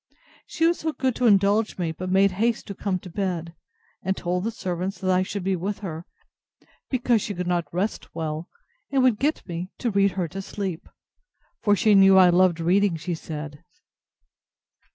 She was so good to indulge me; but made haste to come up to bed; and told the servants, that I should be with her, because she could not rest well, and would get me to read her to sleep; for she knew I loved reading, she said.